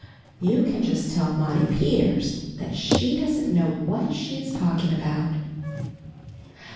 "You can just tell Maudie Peters that she doesn't know what she is talking about."